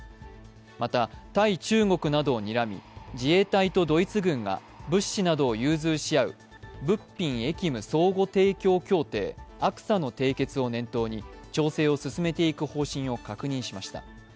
また、対中国などをにらみ、自衛隊とドイツ軍が物資などを融通し合う物品役務相互提供協定＝ＡＣＳＡの締結を念頭に調整を進めていく方針を確認しました。